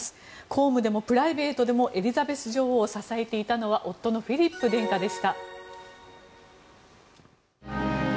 公務でもプライベートでもエリザベス女王を支えていたのは夫のフィリップ殿下でした。